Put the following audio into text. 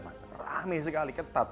masa terang nih sekali ketat